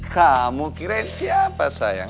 kamu kirain siapa sayang